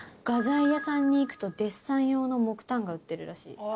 画材屋さんに行くと、デッサン用の木炭が売ってるらしい。